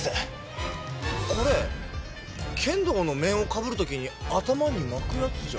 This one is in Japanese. これ剣道の面をかぶる時に頭に巻くやつじゃ。